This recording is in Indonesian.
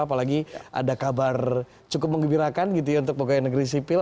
apalagi ada kabar cukup mengembirakan gitu ya untuk pegawai negeri sipil